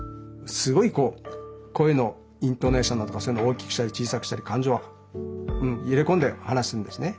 すごいこう声のイントネーションだとかそういうのを大きくしたり小さくしたり感情を入れ込んで話すんですね。